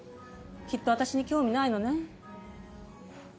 きっと私に興味ないのね。